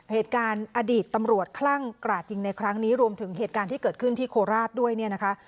อดีตตำรวจคลั่งกราดยิงในครั้งนี้รวมถึงเหตุการณ์ที่เกิดขึ้นที่โคราชด้วยเนี่ยนะคะ